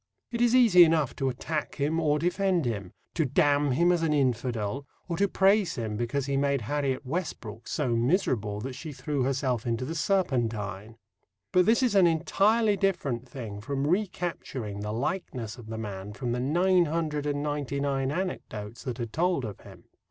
It is easy enough to attack him or defend him to damn him as an infidel or to praise him because he made Harriet Westbrook so miserable that she threw herself into the Serpentine. But this is an entirely different thing from recapturing the likeness of the man from the nine hundred and ninety nine anecdotes that are told of him.